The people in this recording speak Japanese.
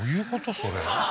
それ。